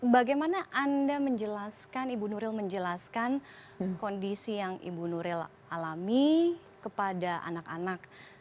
bagaimana anda menjelaskan ibu nuril menjelaskan kondisi yang ibu nuril alami kepada anak anak